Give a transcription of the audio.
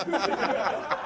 ハハハハ！